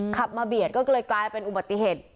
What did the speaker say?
ขับมาเบียดก็เลยกลายเป็นอุบัติเหตุ